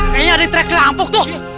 kayaknya ada trek rampok tuh